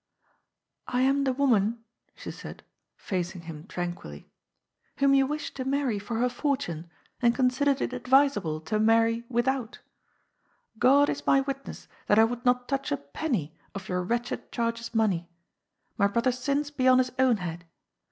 ''I am the woman," she said, facing him tranquilly, " whom you wished to marry for her fortune and considered it advisable to marry without God is my witness that I would not touch a penny of your wretched charge's money; my brother's sins be on his own head.